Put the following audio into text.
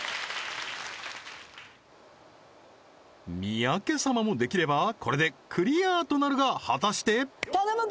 三宅様もできればこれでクリアとなるが果たして頼む！